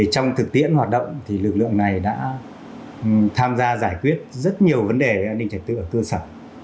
trong thực tiễn hoạt động thì lực lượng này đã tham gia giải quyết rất nhiều vấn đề an ninh trật tự ở cơ sở